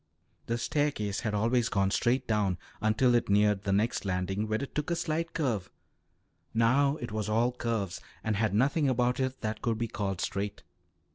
The staircase had always gone straight down until it neared the next landing, where it took a slight curve; now it was all curves and had nothing about it that could be called straight.